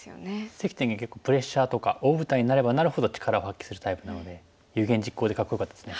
関天元結構プレッシャーとか大舞台になればなるほど力を発揮するタイプなので有言実行でかっこよかったですね。